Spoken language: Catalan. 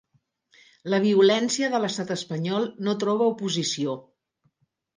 La violència de l'estat espanyol no troba oposició